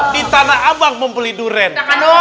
di tanah abang membeli durian